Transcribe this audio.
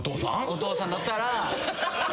お父さんだったら。